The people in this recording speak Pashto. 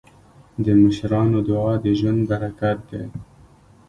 د مشرانو دعا د ژوند برکت دی.